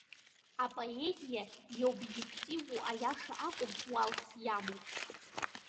Апоезиа иобективу аиаша акәым уалс иамоу.